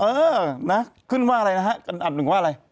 เออนะขึ้นว่าอะไรนะฮะอันดับหนึ่งว่าอะไร